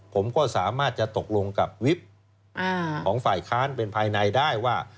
ผมก็สามารถจะตกลงกับวิบของฝ่ายค้านเป็นภายในได้ว่า